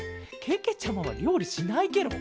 けけちゃまはりょうりしないケロ。